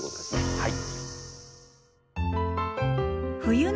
はい。